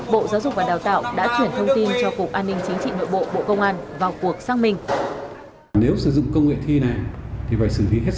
bộ giáo dục và đào tạo đã chuyển thông tin cho cục an ninh chính trị nội bộ bộ công an vào cuộc xác minh